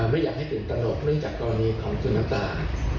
ไม่อยากให้ตื่นตนกเนื่องจากกรณีของคุณน้ำตา